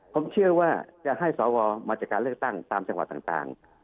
ผมเชื่อว่าจะให้สวมาจากการเลือกตั้งตามจังหวัดต่าง